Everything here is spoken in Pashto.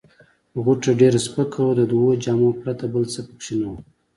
غوټه ډېره سپکه وه، د دوو جامو پرته بل څه پکښې نه وه.